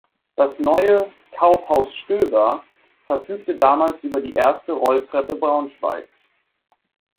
Das neue "„Kaufhaus Stöber“" verfügte damals über die erste Rolltreppe Braunschweigs.